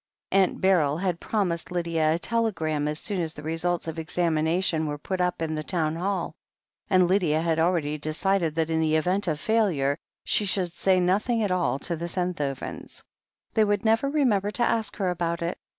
Aunt Beryl had promised Lydia a telegram as soon as the results of the examination were put up in the Town Hall, and Lydia had already decided that in the event of failure, she should say nothing at all to the Senthovens. They would never remember to ask her about it.